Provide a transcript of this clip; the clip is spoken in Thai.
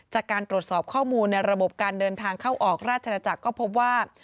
จากการตรวจสอบข้อมูลในระบบการเดินทางเข้าออกราชนาจักรก็พบว่า